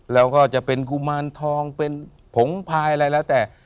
แล้วก็จะเป็นกุมารทองเป็นผงพายอะไรแล้วแต่